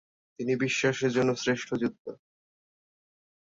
তিনি বিশ্বাস এর জন্য শ্রেষ্ঠ যোদ্ধা।